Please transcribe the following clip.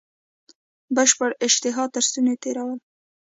بشپړه اشتها تر ستوني تېرول.